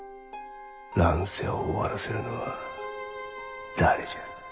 乱世を終わらせるのは誰じゃ。